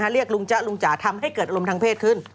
เรียกลุงจ๊ะลุงจ๋าทำให้เกิดอารมณ์ทางเพศขึ้น